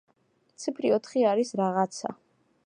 ციფრი ოთხი არის „რაღაცა“.